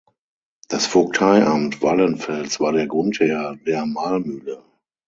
Das Vogteiamt Wallenfels war der Grundherr der Mahlmühle.